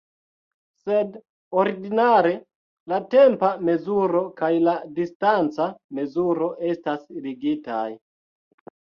Sed ordinare la tempa mezuro kaj la distanca mezuro estas ligitaj.